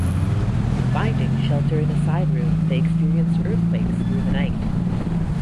Finding shelter in a side room, they experience earthquakes through the night.